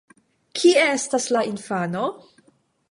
Kie estas la infano?